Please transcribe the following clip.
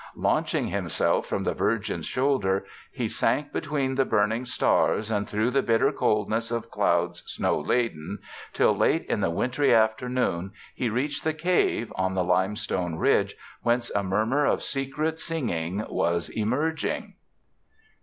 Launching himself from the Virgin's shoulder, he sank between the burning stars and through the bitter coldness of clouds snow laden, till late in the wintry afternoon he reached the cave on the limestone ridge, whence a murmur of secret singing was emerging.